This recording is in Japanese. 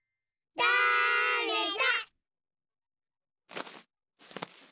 だれだ？